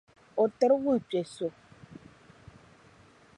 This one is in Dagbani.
O tiri wuhi piɛ’ so.